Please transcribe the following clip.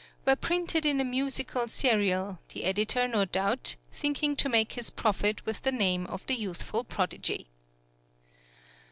were printed in a musical serial, the editor, no doubt, thinking to make his profit with the name of the youthful prodigy.